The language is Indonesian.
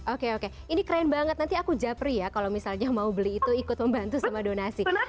oke oke ini keren banget nanti aku japri ya kalau misalnya mau beli itu ikut membantu sama donasi